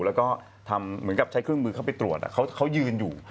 เหมือนกับใช้เครื่องมือเข้าไปตรวจอะเขายืนอยู่